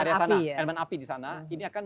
api ya elemen api di sana ini akan